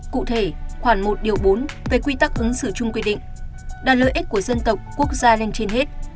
cụ thể khoảng một bốn về quy tắc ứng xử chung quy định đặt lợi ích của dân tộc quốc gia lên trên hết